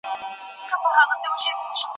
زه لا هم په دې دنیا کې د ساه اخیستو هڅه کوم.